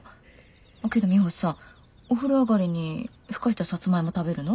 あけどミホさんお風呂上がりにふかしたサツマイモ食べるの？